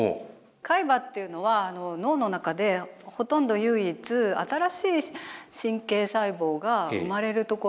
海馬っていうのは脳の中でほとんど唯一新しい神経細胞が生まれる所。